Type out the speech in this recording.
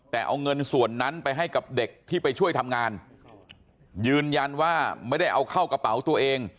แต่เอาเงินส่วนนั้นไปให้กับเด็กที่ไปช่วยทำงานยืนยันว่าไม่ได้เอาเข้ากระเป๋าตัวเอง